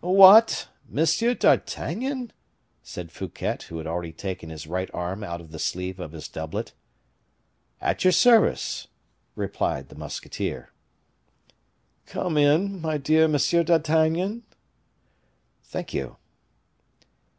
"What! M. d'Artagnan?" said Fouquet, who had already taken his right arm out of the sleeve of his doublet. "At your service," replied the musketeer. "Come in, my dear M. d'Artagnan." "Thank you."